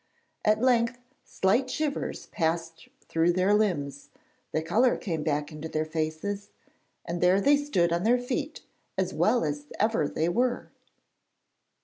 At length slight shivers passed through their limbs; the colour came back into their faces, and there they stood on their feet, as well as ever they were.